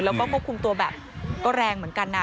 แล้วก็ควบคุมตัวแบบก็แรงเหมือนกันนะ